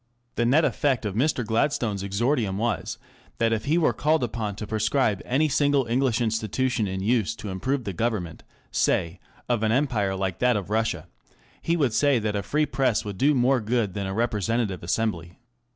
The net effect of Mr. Gladstone's exordium was, that if he were called upon to prescribe any single English institution in use to improve the Government, say, of an empire like that of Russia, he would say that a free Press would do more good than a representative assembly.